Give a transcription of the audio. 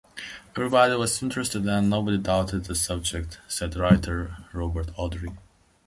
"Everybody was interested and nobody doubted the subject," said writer Robert Ardrey.